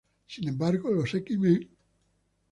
Sin embargo, los X-Men.